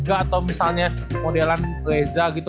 atau misalnya modelan reza gitu